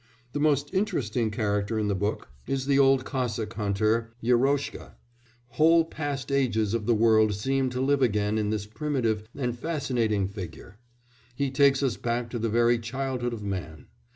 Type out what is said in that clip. The most interesting character in the book is the old Cossack hunter, Yeroshka; whole past ages of the world seem to live again in this primitive and fascinating figure; he takes us back to the very childhood of man.